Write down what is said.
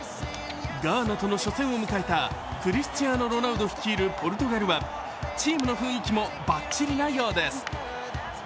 ガーナとの初戦を迎えたクリスチアーノ・ロナウド率いるポルトガルはチームの雰囲気もばっちりなようです。